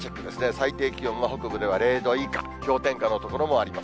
最低気温が北部では０度以下、氷点下の所もあります。